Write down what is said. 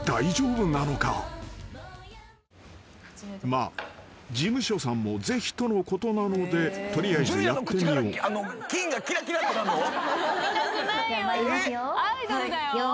［まあ事務所さんもぜひとのことなので取りあえずやってみよう］では参りますよ。